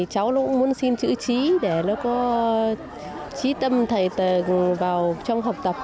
cháu cũng muốn xin chữ trí để có trí tâm thầy vào trong học tập